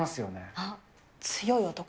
あっ、強い男？